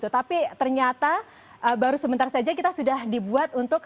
tapi ternyata baru sebentar saja kita sudah dibuat untuk